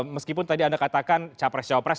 meskipun tadi anda katakan capres capres